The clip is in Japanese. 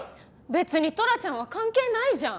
別にトラちゃんは関係ないじゃん！